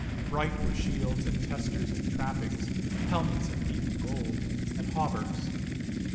Bright were shields and testers and trappings, helmets of beaten gold, and hauberks.